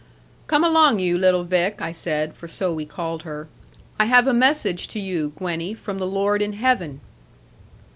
'Come along, you little Vick,' I said, for so we called her; 'I have a message to you, Gwenny, from the Lord in heaven.'